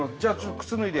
靴脱いで。